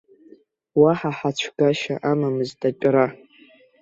Уаҳа хацәгашьа амамызт атәра.